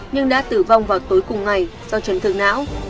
nhưng đã tử vong vào tối cùng ngày do trấn thường não